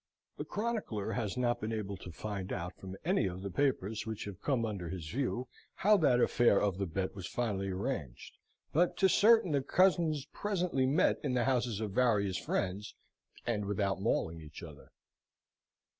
The chronicler has not been able to find out, from any of the papers which have come under his view, how that affair of the bet was finally arranged; but 'tis certain the cousins presently met in the houses of various friends, and without mauling each other.